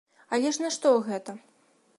Але ж нашто гэта?